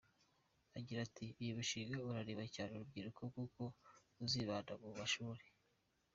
Agira ati “Uyu mushinga urareba cyane urubyiruko kuko uzibanda mu mashuri.